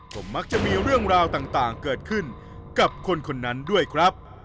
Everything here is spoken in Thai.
ผมมักจะมีเรื่องราวต่างเกิดขึ้นกับคนคนนั้นด้วยครับ